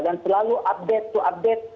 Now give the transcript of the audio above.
dan selalu update to update